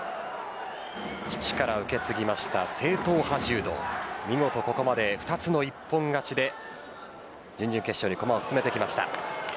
父から受け継いだ正統派柔道見事ここまで２つの一本勝ちで準々決勝に駒を進めてきました。